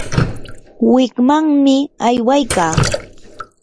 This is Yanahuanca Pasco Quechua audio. wikmanmi aywaykaa.